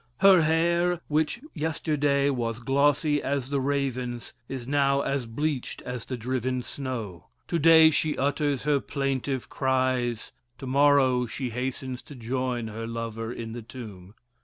Her hair, which yesterday was glossy as the raven's, is now as bleached as the driven snow; to day she utters her plaintive cries, to morrow she hastens to join her lover in the tomb.